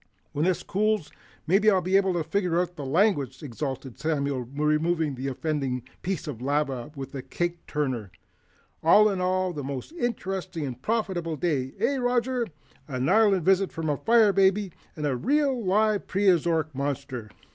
"When this cools, maybe I'll be able to figure out the language," exulted Samuel, removing the offending piece of lava with a cake turner. "All in all, a most interesting and profitable day, eh, Roger? An island, a visit from a fire baby, and a real live Preoztoric monster."